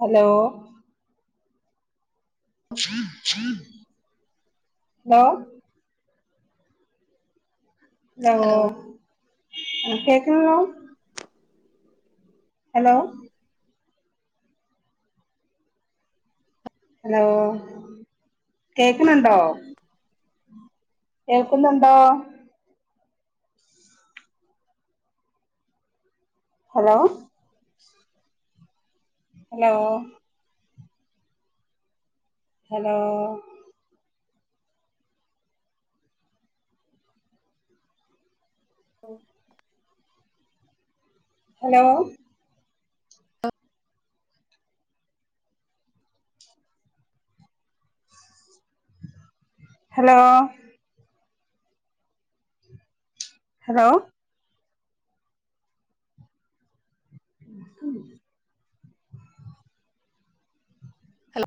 Hello hello hello ആ കേകണില്ലാ hello hello കേക്ക്ണണ്ടോ? കേൾക്കുന്നുണ്ടോ? Hello hello hello law hello hello hello hello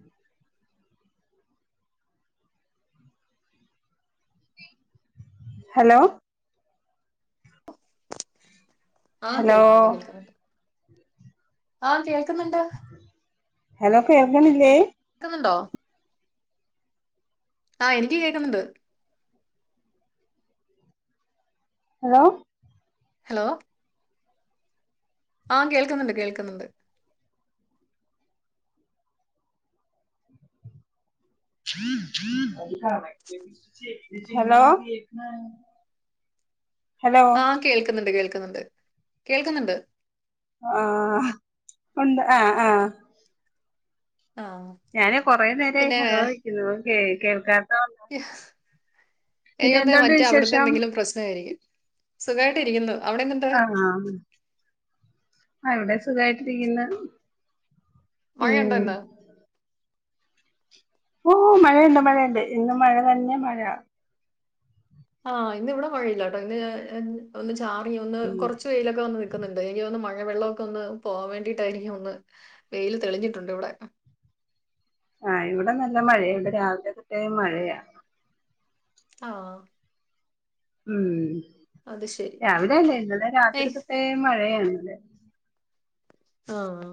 hello ആഹ് ഹലോ കേൾക്കുന്നുണ്ട് കേൾക്കുന്നുണ്ട് ആഹ് കേൾക്ന്ന്ണ്ട്. ഹലോ കേൾക്ണില്ലേ. കേക്കുന്നുണ്ടോ? ആഹ് എനിക്ക് കേക്ക്ന്ന്ണ്ട്. ഹലോ ഹലോ ആഹ് കേൾക്കുന്നുണ്ട് കേൾക്കുന്നുണ്ട്. ഹലോ ഹലോ ആഹ് കേൾക്കുന്നുണ്ട് കേൾക്കുന്നുണ്ട് കേൾക്കുന്നുണ്ട്. ആഹ് ഉണ്ട് ആഹ് ആഹ്. ആഹ്. ഞാന് കുറേ നേരയി പിന്നെ ഹലോ വിളിക്കുന്നു കേ കേൾക്കാത്ത പിന്നെ ഏഹ് എന്തുണ്ട് മറ്റേ അവിടത്തെ വിശേഷം എന്തെങ്കിലും പ്രശ്നായിരിക്കും. സുഖായിട്ട് ഇരിക്കുന്നു. അവിടെ എന്തുണ്ട് ആഹ് ഇവിടെ സുഖായിട്ടിരിക്ക്ന്ന്. മഴയുണ്ടൊ ഇന്ന്. ഓഹ് മഴയുണ്ട് മഴയുണ്ട് ഇന്ന് മഴ തന്നെ മഴ. ആഹ് ഇന്ന് ഇവിടെ മഴയില്ലാട്ടോ ഇന്ന് ഒന്ന് ചാറി ഒന്ന് കൊർച്ച് വെയിലൊക്കെ വന്ന്. ക്കുന്നുണ്ട് എനിക്ക് തോന്നുന്ന് മഴവെള്ളമൊക്കെ ഒന്ന് പോവാൻ വേണ്ടീട്ടായിരിക്കും ഒന്ന് വെയിൽ തെളിഞ്ഞിട്ടുണ്ട് ഇവിടെ. ആഹ് ഇവിടെ നല്ല മഴയുണ്ട് രാവിലെ തൊട്ടേ മഴയാ. ആഹ്. ഉം അത് ശരി രാവിലെ അല്ലേ ഇന്നലെ രാത്രി ഏയ് തൊട്ടേ മഴയാണിവിടെ. ആഹ്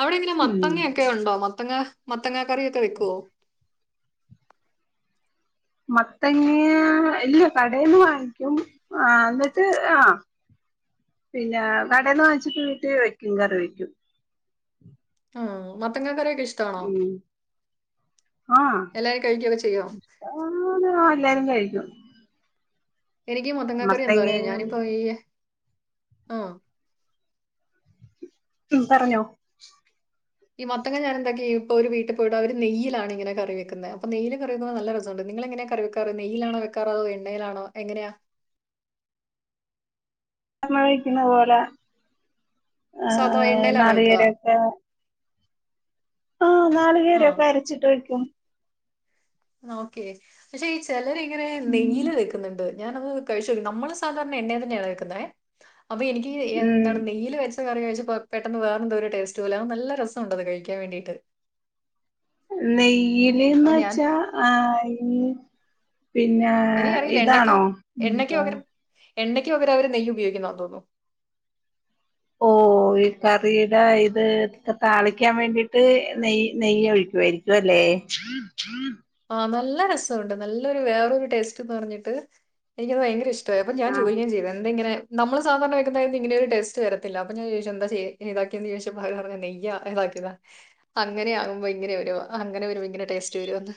അവിടെ എങ്ങനെ ഉം മത്തങ്ങ ഒക്കെ ഉണ്ടോ മത്തങ്ങ മത്തങ്ങ കറിയൊക്കെ വെക്കോ? മത്തങ്ങാ ഇല്ല കടയിന്ന് വാങ്ങിക്കും ആഹ് ഇന്നിട്ട് ആഹ് പിന്നെ കടേന്ന് വാങ്ങിച്ചിട്ട് വീട്ടീ വയ്ക്കും കറി വെയ്ക്കും. ആഹ് മത്തങ്ങാ ക്കറിയൊക്കെ ഇഷ്ടാണോ ഉം ആഹ് എല്ലാരും കഴിക്കൊക്കെ ചെയ്യോ. ആഹ് എല്ലാരും കഴിക്കും. എനിക്ക് മത്തങ്ങക്കറി എന്തുവാ അറിയോ മത്തങ്ങയും ഞാനിപ്പോ ഈ ആഹ് ഉം പറഞ്ഞോ. ഈ മത്തങ്ങ ഞാനെന്താക്കി ഇപ്പോ ഒരു വീട്ടീ പോയിട്ട് അവര് നെയ്യിലാണ് ഇങ്ങനെ കറി വക്കുന്നത് അപ്പ നെയ്യില് കറി വെക്കുമ്പോ നല്ല രസണ്ട് നിങ്ങളെങ്ങനെ കറി വക്കുന്നത്? നെയ്യിലാണോ വെക്കാർ അതോ എണ്ണയിലാണോ എങ്ങനെയാ? [unintelligible] വിക്കുന്ന പോലെ സാധാ ഏഹ് എണ്ണയിലാണോ വെക്കുക നാളികേരൊക്കെ. ആഹ് ആ നാളികേരൊക്കെ അരച്ചിട്ട് വയ്ക്കും. ഓക്കെ പക്ഷെ ഈ ചെലര് ഇങ്ങനെ ഉം നെയ്യില് വെക്കുന്നുണ്ട് ഞാനത്. കഴിച്ച് നോക്കി നമ്മള് സാധാരണ എണ്ണേ തന്നേണ് വെക്കുന്നേ അപ്പൊ എനിക്ക് ഉം എന്താണ് നെയ്യില് വെ ച്ച കറി കഴിച്ചപ്പോ പെട്ടെന്ന് വേറെന്തോരു ടേസ്റ്റ് പോലെ അഹ് നല്ല രസംണ്ടത് കഴിക്കാൻ വേണ്ടീട്ട് അപ്പൊ നെയ്യില്ന്ന് ഞാൻ വെച്ചാ ആ ഈ പിന്നെ എനിക്കറിയില്ല ഇതാണോ എന്താ എണ്ണക്ക് പകരം അവര് നെയ്യുപയോഗിക്കുന്നാന്ന് തോന്നുന്നു ഓഹ് ഓഹ് ഈ കറീടെ ഇത് ഒക്കെ താളിക്കാൻ വേണ്ടീട്ട് നെയ്യ് നെയ്യ് ഒഴിക്കുവായിരിക് സുഖല്ലേ ആഹ് നല്ല രസൊണ്ട് നല്ലൊരു വേറൊരു ടേസ്റ്റ് പറഞ്ഞിട്ട് എനിക്കത് ഭയങ്കര ഇഷ്ടായി അപ്പ ഞാൻ ആഹ് ചോദിക്കേം ചെയ്ത് എന്തെങ്ങെനെ നമ്മള് സധാരണ വെക്കന്നേനു ഇങ്ങനൊരു ടേസ്റ്റ് വര ത്തില്ല അപ്പൊ ഞാൻ ചോയ്ച്ചു എന്താചെയ്യേ ഇതെക്കിയെന്നോയ്ച്ചപ്പോ അവര് പറഞ്ഞ് നെയ്യാ ഇതാക്കിയതാ അങ്ങനെയാവുമ്പോ ഇങ്ങനെ വെരും അങ്ങനെ വെരുമ്പോ ഇങ്ങനെ ടേസ്റ്റ് വെരും എന്ന്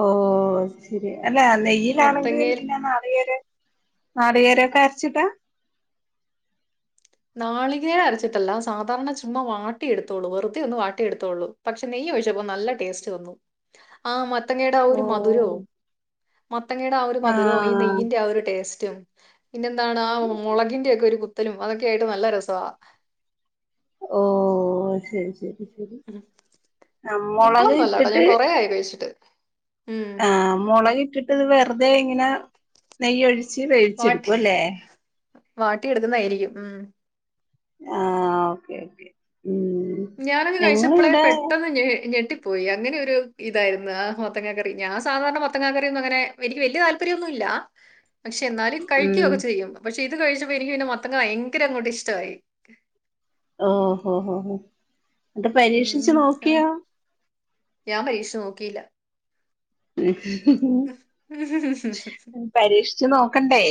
ഓഹ് അഹ് ശെരി അല്ല നെയ്യിലാണെങ്കിൽ മത്തങ്ങയിൽ പിന്നെ [unintelligible] നാളികേരൊക്കെ അരച്ചിട്ടാ നാളികേരം അരച്ചിട്ടല്ല സാധാരണ ചുമ്മാ വാട്ടിയെടുത്തോളൂ വെറുതെ ഒന്ന് വാട്ടിയെടുത്തെഒള്ളൂ പക്ഷെ നെയ്യൊഴിച്ചപ്പോ നല്ല ടേസ്റ്റ് വന്നു ആ മത്തങ്ങേടെ ആ ഒരു ഓഹ് മധുരോം മത്തങ്ങേടെ ആ ഒരു മധുരോം ഈ ആഹ് നെയ്യിന്റെ ആ ഒരു ടേസ്റ്റും പിന്നെന്താണ് ആ മൊളകിന്റോക്കെ ഒരു കുത്തലും അതൊക്കെയായിട്ട് നല്ല രസവാ ഓ ശരി ശരി ശരി ആഹ് മൊളക് ഇപ്പളൊന്നും അല്ലാട്ടോ ഞാൻ ഇട്ടിട്ട് കൊറെയായി കഴിച്ചിട്ട് ഉം ആ മുളകിട്ടിട്ട് ഇത് വെറുതെ ഇങ്ങനെ നെയ്യൊഴിച്ച് വേവിച്ചെടുക്കും അല്ലേ വാട്ടിയെടുക്കുന്നേയേരിക്കും ഉം ആ ഓക്കെ ഓക്കേ ഉം ഞാനത് കഴിച്ചപ്പളെ ഞങ്ങളിവിടെ പെട്ടെന്ന് ഞെ ഞെട്ടി പോയി അങ്ങനെരു ഇതായിരുന്നു ആ മത്തങ്ങാക്കറി ഞാൻ സാധാരണ മത്തങ്ങാ കറിയൊന്നും അങ്ങനെ എനിക്ക് വല്ല്യ താല്പര്യന്നും ഇല്ലാ പക്ഷെ എന്നാലും ഉം കഴിക്കൊക്കെ ചെയ്യും പക്ഷെ ഇത് കഴിച്ചപ്പോ എനിക്ക് പിന്നെ മത്തങ്ങ ഭയങ്കര അങ്ങോട്ട് ഇഷ്ടായി ഓഹ് ഹോ ഹോ എന്നിട്ട് പരീക്ഷിച്ച് ഉം ആ നോക്കിയോ ഞാൻ പരീക്ഷു നോക്കീല്ല പരീക്ഷിച്ചു നോക്കണ്ടേ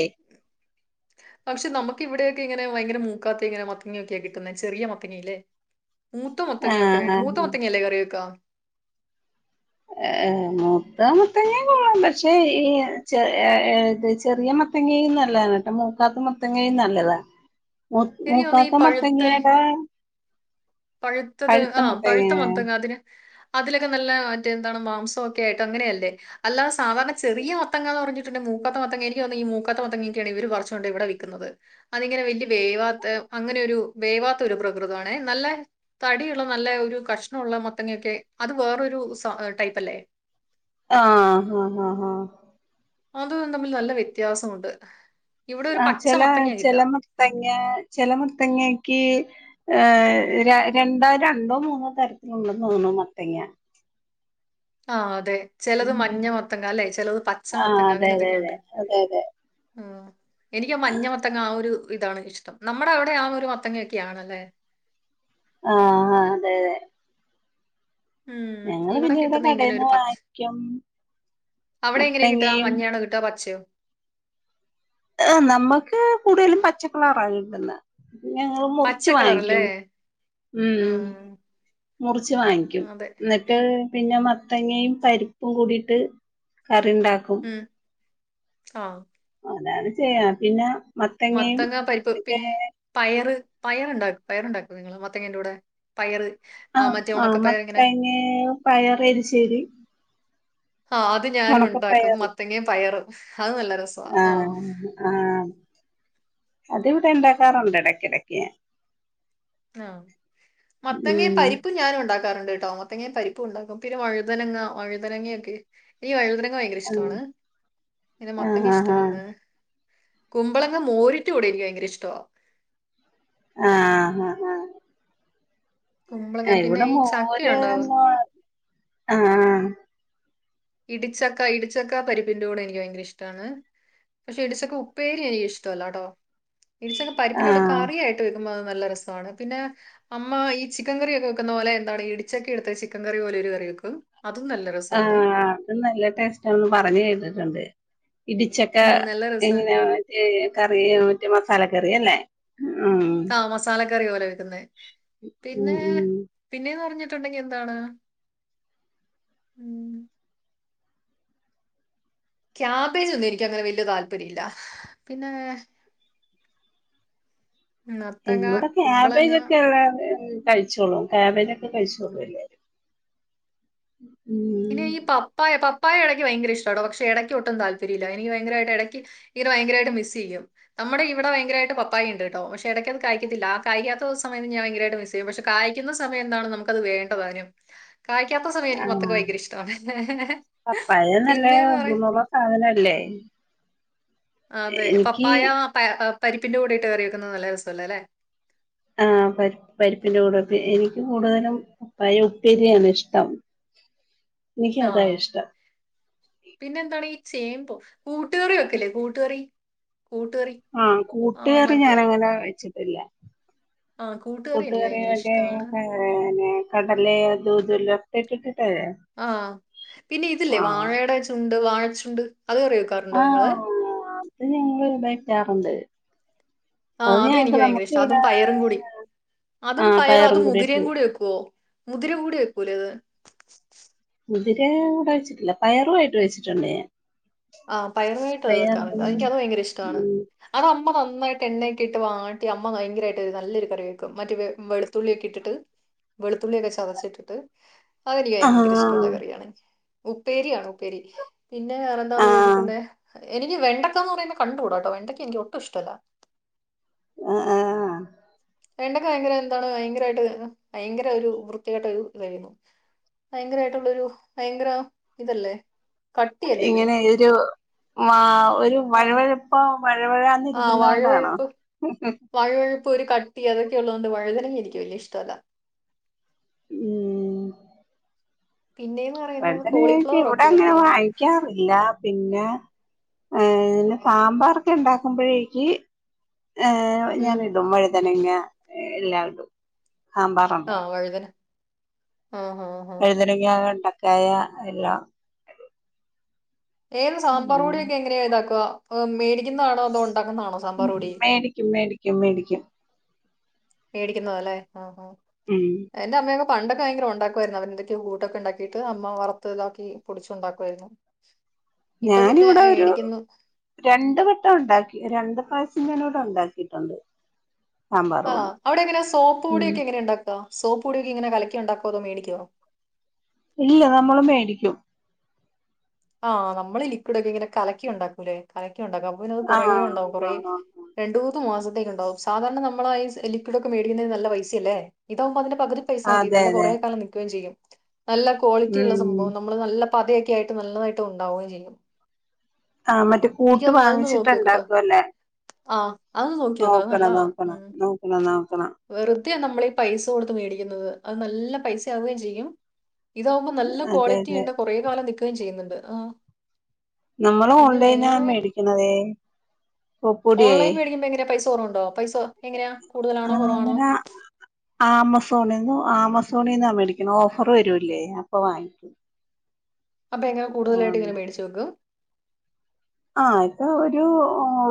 പക്ഷെ നമുക്ക് ഇവിടെയൊക്കെ ഇങ്ങനെ ഭയങ്കര മൂക്കാത്തെ ഇങ്ങനെ മത്തങ്ങയൊക്കെയാ കിട്ടുന്നേ ചെറിയ മത്തങ്ങയില്ലേ മൂത്ത മത്തങ്ങയൊക്കെ ആഹ് വേണം മൂത്ത ആഹ് മത്തങ്ങയല്ലേ കറി വെക്കാ ഏ മൂത്ത മത്തങ്ങേം കൊള്ളാം പക്ഷെ ഈ ചെ ഏ ത് ചെറിയ മത്ത ത്തങ്ങയും നല്ലാണ് ട്ടോ മൂക്കാത്ത മുത്തങ്ങയും നല്ലതാ മുത് എനിക്ക് തോന്നുന്നു ഈ മുക്കാത്ത പഴുത്ത മത്തങ്ങേടേ പഴുത്തത് ആ പഴുത്ത മത്തങ്ങ അതിന് അതിലൊക്കെ നല്ല മറ്റേ എന്താണ് മാംസൊക്കെയായിട്ട് അങ്ങനെയല്ലേ അല്ലാ സാധാരണ ചെറിയ മത്തങ്ങാന്ന് പറഞ്ഞിട്ടുണ്ട് മൂക്കാത്ത മത്തങ്ങെനിക്ക് തോന്നുന്നു ഈ മൂക്കത്ത മത്തങ്ങെക്കേണ് ഇവര് പറച്ചുകൊണ്ടൊയ് ഇവിടെ വിക്കുന്നത് അതിങ്ങനെ വല്യ വേവാത്തെ അങ്ങനെയൊരു വേവാത്ത ഒരു പ്രകൃതാണേ നല്ലെ കടിയുള്ള നല്ല ഒരു കഷ്ണൊള്ള മത്തങ്ങയൊക്കെ അത് വേറൊരു സ ടൈപ്പല്ലേ ആഹ് ഹാ ഹാ ഹാ അതുതും തമ്മിൽ നല്ല വ്യത്യാസമുണ്ട് ഇവിടെ ഒരു ആ പച്ച ചെല മത്തങ്ങ ചെല കിട്ടുക മത്തങ്ങ ചെല മത്തങ്ങെക്ക് ഏഹ് ര രണ്ടോ രണ്ടോ മൂന്നോ തരത്തിലുണ്ടെന്നു തോന്നുണു മത്തങ്ങ ആ അതെ ചെലത് മഞ്ഞ മത്തങ്ങ അല്ലെ ചെലത് പച്ച ആഹ് മൊത്തങ്ങ അതെ അതെ അങ്ങനെന്തൊക്കെയുണ്ട് അതെ അതെ അതെ ആഹ് എനിക്ക് ആ മഞ്ഞ മത്തങ്ങ ആ ഒരു ഇതാണ് ഇഷ്ടം നമ്മുടെ അവിടെ ആ ഒരു മത്തങ്ങ ഒക്കെയാണല്ലെ ആ ആ അതെ അതെ ഉം ഞങ്ങള് ഇവടെ പിന്നെ ഇവിടെ കിട്ടുന്നേ ഇങ്ങനെ കടേന്ന് ഒരു പച്ച് വാങ്ങിക്കും അവടെ എങ്ങനെയാ കിട്ടാ മത്തങ്ങയും മഞ്ഞയാണൊ കി ട്ടാ പച്ചയൊ ഏഹ് നമ്മക്ക് കൂടുതലും പച്ചക്കളാറാ കിട്ടുന്നേ പിന്നെ ഞങ്ങള് പച്ച മുറിച്ച് കളറല്ലേ വാങ്ങിക്കും ഉം മുറിച്ച് വാങ്ങിക്കും അതെ എന്നി ട്ട് പിന്നെ മത്തങ്ങയും പരിപ്പും കൂടിട്ട് കറിണ്ടാക്കും ഉം ആഹ് അതാണ് ചെയ്യാ പിന്നെ മത്തങ്ങയും മത്തങ്ങ പരിപ്പ് മറ്റേ പിന്നെ പയറ് പയറ്ണ്ടാ പയറ്ണ്ടാക്കോ നിങ്ങള് മത്തങ്ങേന്റെ കൂടെ പയറ് ആഹ് മറ്റേ ഉണക്കെ പയറ് ഇങ്ങനെ ഏഹ് പയർ എരിശേരി ആഹ് അത് ഞാനും ഉണ്ടാക്കും ഒണക്കപ്പയറ് മത്തങ്ങയും പയറും അത് നല്ല രസവാ ആഹ് ആം അതിവിടെ ഇണ്ടാക്കാറൊണ്ട് എടയ്ക്കെടയ്ക്ക്. ആ മത്തങ്ങേം ഉം പരിപ്പും ഞാന് ഒണ്ടാക്കാറുണ്ട്ട്ടോ. മത്തങ്ങേ പരിപ്പും ഒണ്ടാക്കും പിന്നെ വഴുതനങ്ങ വഴുതനങ്ങെയൊക്കെ എനിക്ക് വഴുതനങ്ങ ഭയങ്കര ഇഷ്ടവാണ് പിന്നെ മത്തങ്ങ ആഹ് ആഹ് ആഹ് ആഹ് ഇഷ്ടവാണ്. കുമ്പളങ്ങ മോരിന്റെ കൂടെ എനിക്ക് ഭയങ്കര ഇഷ്ടവാ ആഹ് ഹ ഹ കുമ്പളങ്ങ പിന്നെ ഇവിടെ ഈ ചക്ക മോര് ഉണ്ടാവും ആ ആ ഇടിച്ചക്ക ഇടിച്ചക്ക പരിപ്പിന്റെ കൂടെ എനിക്ക് ഭയങ്കര ഇഷ്ടവാണ്. പക്ഷെ ഇടിച്ചക്ക ഉപ്പേരി എനിക്കിഷ്ടവല്ലാട്ടോ ഇടിച്ചക്ക പരിപ്പിന്റെ കൂടെ ആഹ് കറിയായിട്ട് വെക്കുമ്പോ അത് നല്ല രസവാണ് പിന്നെ അമ്മ ഈ ചിക്കൻ കറിയൊക്കെ വെക്കുന്നപോലെ എന്താണ് ഇടിച്ചക്കയെടുത്ത് ചിക്കൻ കറി പോലെ ഒരു കറിവെക്കും അതും നല്ല രസമാണ് ആഹ് അതും നല്ല ടേസ്റ്റാന്ന് പറഞ്ഞുകേട്ടിട്ടൊണ്ട് ഇടിച്ച ക്ക ഉം, നല്ല രസം എങ്ങനെയാ മറ്റേ കറി മറ്റേ മസാലക്കറിയല്ലേ ഉം ആ മസാലക്കറി പോലെ വെക്കുന്നെ പിന്നെ ഉം ഉം പിന്നേന്ന് പറഞ്ഞിട്ടൊണ്ടെങ്കി എന്താണ് ഉം. ക്യാബേജൊന്നും എനിക്കങ്ങനെ വല്ല്യ താല്പര്യമില്ലാ പിന്നെ [inaudible] നത്തങ്ങ ഇവിടെ കുമ്പളങ്ങ ക്യാബേജൊക്കെയൊള്ള കഴിച്ചോളും ക്യാബേജൊക്കെ കഴിച്ചോളും. പിന്നെ ഉം ഈ പപ്പായ പപ്പായ എടയ്ക്ക് ഭയങ്കര ഇഷ്ടാട്ടോ പക്ഷെ എടയ്ക്ക് ഒട്ടും താല്പര്യവില്ലാ എനിക്ക് ഭയങ്കരായിട്ട് എടയ്ക്ക്. ഇത് ഭയങ്കരായിട്ട് മിസ്സെയ്യും. നമ്മടെ ഇവിടെ ഭയങ്കരായിട്ട് പപ്പായ ഇണ്ട്ട്ടോ പക്ഷെ ഇടയ്ക്കത് കായ്ക്കത്തില്ലാ ആ കായ്ക്കാത്തൊ സമയം ഞാൻ ഭയരായിട്ട് മിസ്സെ യ്യും പക്ഷെ കായ്ക്കുന്ന സമയം എന്താണ് നമുക്കത് വേണ്ടതാനും. കായ്ക്കാത്ത സമയം ആ എനിക്ക് മത്തങ്ങ ഭയങ്കര ഇഷ്ടവാണേ പിന്നേന്ന് പറയാ അങ്ങനെയല്ലേ അതെ പപ്പായ പ പരിപ്പിന്റെ കൂടെയിട്ട് കറി വെക്കുന്നത് നല്ല രസവല്ലെലേ ആ പരിപ്പ് പരിപ്പിന്റെ കൂടെ എനിക്ക് കൂടുതലും പയ ഉപ്പേരിയാണ് ഇഷ്ടം. [inaudible] എനിക്കതാ ഇഷ്ടം. പിന്നെ എന്താണീ ചേമ്പോ കൂട്ടുകറി വെക്കില്ലേ കൂട്ടുകറി കൂട്ടുകറി ആ ആ കൂട്ടുകറി മറ്റേ ഞാനങ്ങനെ വെച്ചിട്ടില്ല. ആ എനിക്ക് കൂട്ടുകറി ഭയങ്കര മറ്റേ ഇഷ്ടമാണ് പയ പിന്നെ കടലയോ അതുഇതുവെല്ലാവൊക്കെ ഇട്ടിട്ടല്ലേ. ആഹ് പിന്നെ ഇതില്ലേ വാഴയുടെ ചുണ്ട് വാഴച്ചുണ്ട് അതുകറി വെക്കാറുണ്ടോ ആ നിങ്ങള് അത് ഞങ്ങള് വെക്കാറുണ്ട് ആ അതെനിക്ക് ഭയങ്കര ഇഷ്ടാ അതും ഇവിടെ പയറും കൂടി അതും പയറും അതും മുതിരയും കൂടി വെക്കുവോ. മുതിരകൂടി വെക്കൂലേ അത്. മുതിരകൂടെ വെച്ചിട്ടില്ല പയറുവായിട്ട് വെച്ചിട്ടൊണ്ട് ഞാൻ. ആ പയറുവായിട്ടത് വെക്കാറൊണ്ട് പയറും അതെനിക്കത് ഭയങ്കര ഇഷ്ടവാണ്. ഉം അത് അമ്മ നന്നായിട്ട് എണ്ണയെക്കെയിട്ട് വാട്ടി അമ്മ ഭയങ്കരായിട്ട് നല്ലൊരു കറി വെക്കും മറ്റെ വെ വെളു ത്തുള്ളിയൊക്കെ ഇട്ടിട്ട് വെളുത്തുള്ളിയൊക്കെ ചതച്ചിട്ടിട്ട്. അതെനിക്ക് ആ ഭയങ്കര ഇഷ്ടൊള്ള കറിയാണ് ഉപ്പേരിയാണ് ഉപ്പേരി പിന്നെ ആ എന്താന്ന് ചോദിച്ചിട്ടുണ്ടെ എനിക്ക് വെണ്ടക്കാന്ന് പറയുന്നത് കണ്ടുകൂടാട്ടോ വെണ്ടക്കാ എനിക്ക് ഒട്ടും ഇഷ്ടവല്ല. ആ ആ [unintelligible] ഭയങ്കര എന്താണ് ഭയങ്കരമായിട്ട് ഭയങ്കര ഒരു വൃത്തികട്ട ഒരു ഇതായിരുന്നു ഭയങ്കരയിട്ടുള്ളൊരു ഭയങ്കര ഇതല്ലേ കട്ടിയല്ലേ ഇതിന് ഇങ്ങനെ ആ ഒരു ആ മഴവഴപ്പ മഴവഴ ആ വഴുവഴുപ്പ് [unintelligible] വഴുവഴുപ്പ് ഒരു കട്ടി അതൊക്കെയള്ളത് കൊണ്ട് വഴതന വലിയ ഇഷ്ടമല്ല ഉം പിന്നേം [unintelligible] ക ഇവിടെ അങ്ങനെ വാങ്ങിക്കാം പിന്നെ സാമ്പാറൊക്കെ ഇണ്ടാക്കുമ്പോഴേക്ക് ഏ ഞാൻ ഉം ഇടും വഴുതനങ്ങ എല്ലാഇടും ആഹ് വഴുതന ആഹ് ആഹ് വഴുതന്നങ്ങ വെണ്ടക്കായ എല്ലാം ഏത് സാമ്പാർ ഉം പൊടിയൊക്കെ എങ്ങനെയാണ് ഇണ്ടാക്ക മേടിക്കുന്നതാണോ അതോ ഇണ്ടാക്കുന്നാണോ സാമ്പാർ പൊടി മേടിക്കും മേടിക്കും മേടിക്കും മേടിക്കുന്നതോ അല്ലെ ആഹഹ ഉം എന്റെ അമ്മയൊകെ പണ്ടൊക്കെ ഭയങ്കര ഇണ്ടായിരുന്നു അവര് എന്തൊക്കെ കൂട്ടൊക്കെ ഇണ്ടാക്കിട്ട്മ്മ വറുത്ത് ഇതാക്കി പൊടിച്ച് ഉണ്ടാക്കുവായിരുന്നു ഇപ്പൊ പിന്നെ ഞാനിവിടെ ഒരു എടിക്കുന്നു രണ്ട് വട്ടം ഉണ്ടാക്കി രണ്ട് പായസം ഞാൻ ഇവിടെ ഉണ്ടാക്കിയിട്ടുണ്ട് സാമ്പാർ ആഹ് പൊടി അവിടെ എങ്ങനെ സോപ്പ് ഉം പൊടിയൊക്കെ എങ്ങനാ ഇണ്ടാക്ക സോപ്പ് പൊടിയൊക്കെ ഇങ്ങനെ കലക്കി ഉണ്ടാക്കോ മേടിക്കോ ഇല്ല നമ്മള് മേടിക്കും ആഹ് നമ്മള് ലിക്വിഡ് ഒക്കെ ഇങ്ങനെ കലക്കി ഉണ്ടാക്കൂല്ലേ കലക്കി ഉണ്ടാക്കും അപ്പ പിന്നെ കുറേ ആഹ് ഇണ്ടാവും കുറേ ആഹ് ആഹ് രണ്ടു മൂന്ന് മാസത്തേക്ക് ഇണ്ടാവും സാധാരണ നമ്മളാ ആ ലിക്വിഡ് ഒക്കെ മേടിക്കുന്നതിന് നല്ല പൈസ അല്ലേ ഇതാവുമ്പോ അതിന്റെ പകു പൈസ മതി അതെ നല്ല അതെ കുറേ കാലം നിക്കുകയും ചെയ്യും നല്ല ക്വാളിറ്റി ഉള്ള ഉം സംഭവം നമ്മള് നല്ല പതയൊക്കെ ആയി നല്ലതായിട്ട് ഉണ്ടാവുകയും ചെയ്യും ആഹ് മറ്റേ കൂട്ട് വാങ്ങിച്ചിട്ടാ ഇണ്ടാക്കല്ലേ ആഹ് അത് നോക്കി നോക്ക് അത് നല്ലതാ ഉ എന്നാൽ നോക്കണം വെറുതെയ നമ്മളീ പൈസ കൊടുത്ത് മേടിക്കുന്നത് അത് നല്ല പൈസയാവുകയും ചെയ്യും ഇതാവുമ്പോൾ നല്ല അതെ ക്വാളിറ്റി അതെ ഇണ്ട് കൊറെ കാലം നിക്കയും ചെയ്യ്ന്ന്ണ്ട് ആ നമ്മള് പിന്നെ ഓൺലൈനാ വേറെ മേടിക്കുന്നതേ പൊപ്പൊടിയേ ഓൺലൈൻ മേടിക്കുമ്പോൾ എങ്ങനാ പൈസ കൊറവ്ണ്ടോ പൈസോ എങ്ങനാ ആഹ് അങ്ങനാ ആമസോണിൽ നിന്ന ആമസോണിന്നാ മേടിക്കണേ ഓഫർ വരൂല്ലേ അപ്പൊ വാങ്ങിക്കൂ അപ്പ എങ്ങനെ കൂടുതലായിട്ട് ഇങ്ങെനെ മേടിച്ച് വെയ്ക്കും ആ ഇപ്പൊ ഒരു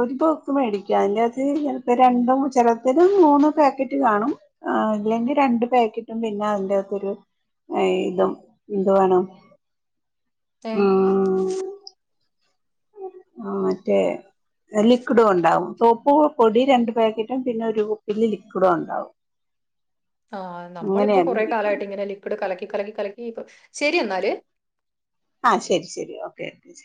ഒരു ബുക്ക്‌ മേടിക്കാം അതിന്റകത്ത് പ്പോ രണ്ടും ചെല അത് മൂന്ന് പാക്കറ്റ് കാണും അല്ലെങ്കിൽ രണ്ട് പാക്കറ്റും പിന്നെ അതിന്റെ അകത്തരു ഇതും എന്തു വേണം തെ ആ മറ്റേ ലിക്വിഡും ഉണ്ടാവും സോപ്പു പൊടി രണ്ട് പാക്കറ്റും പിന്നെ ഒരു കുപ്പി ലിക്വിഡും ഉണ്ടാവും ആഹ് നമ്മളിപ്പോ അങ്ങനെയാണ് കൊറെ കാലമായിട്ട് ഇരിക്കുന്നത് ഇങ്ങനെ ലിക്വിഡ് കലക്കി കലക്കി കലക്കി ശരി എന്നാല് ആഹ് ശരി ശരി ഓക്കെ ഓക്കെ ശരി